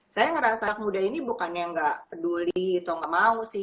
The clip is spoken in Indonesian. saya merasa anak muda ini bukan yang gak peduli atau gak mau sih